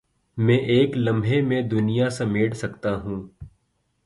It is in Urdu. میں ایک لمحے میں دنیا سمیٹ سکتا ہوں